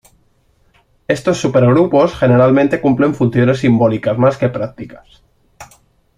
Estos supergrupos generalmente cumplen funciones simbólicas más que prácticas.